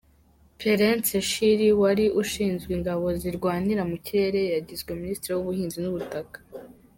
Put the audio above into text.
Perence Shiri wari ushinzwe ingabo zirwanira mu kirere yagizwe Minisitiri w’Ubuhinzi n’Ubutaka.